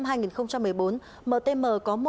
mtm có một trăm linh triệu đồng